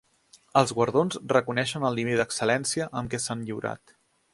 Els guardons reconeixen el nivell d'excel·lència amb què s'han lliurat.